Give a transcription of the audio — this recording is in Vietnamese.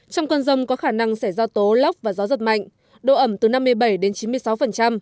trong con rông có khả năng sẽ do tố lóc và gió giật mạnh độ ẩm từ năm mươi bảy đến chín mươi sáu